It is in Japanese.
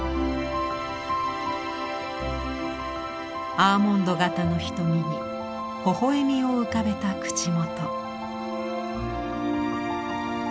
アーモンド形の瞳にほほえみを浮かべた口元。